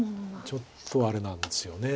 ちょっとあれなんですよね。